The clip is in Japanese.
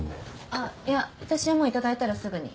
あっいや私はもういただいたらすぐに。